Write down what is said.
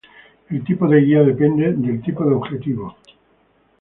El tipo de guía depende del tipo de objetivo.